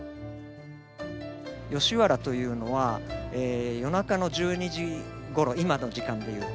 吉原というのは夜中の１２時ごろ今の時間で言うと。